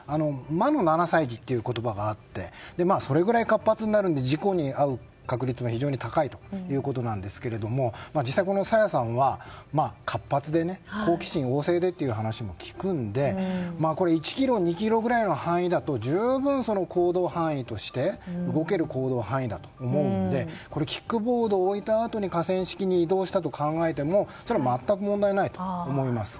魔の７歳児という言葉があってそれくらい活発になるので事故に遭う確率も非常に高いということなんですが実際、この朝芽さんは活発で好奇心旺盛でという話も聞くので１ｋｍ、２ｋｍくらいの範囲だと十分に動ける行動範囲だと思うのでキックボードを置いたあとに河川敷に移動したと考えてもそれは全く問題はないと思います。